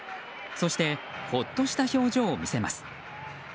そしてほっとした表情を見せます。